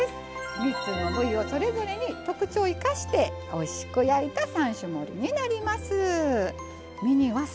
３つの部位をそれぞれに特徴を生かしておいしく焼いた３種盛りになります。